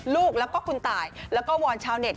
ลูกแล้วก็คุณตายแล้วก็วอนชาวเน็ต